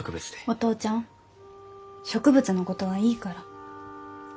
お父ちゃん植物のことはいいから。